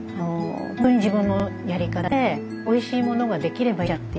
本当に自分のやり方でおいしいものができればいいんじゃない？